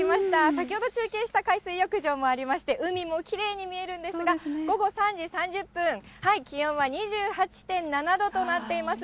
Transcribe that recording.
先ほど中継した海水浴場もありまして、海もきれいに見えるんですが、午後３時３０分、気温は２８．７度となっています。